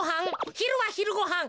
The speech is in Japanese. ひるはひるごはん。